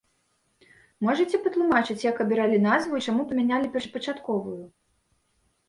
Можаце патлумачыць, як абіралі назву і чаму памянялі першапачатковую?